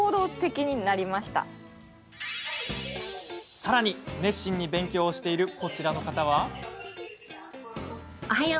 さらに、熱心に勉強をしているこちらの方は。